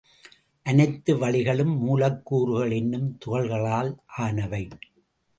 அனைத்து வளிகளும் மூலக்கூறுகள் என்னும் துகள்களால் ஆனவை.